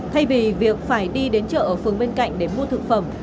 thay vì việc phải đi đến chợ ở phường bên cạnh để mua thực phẩm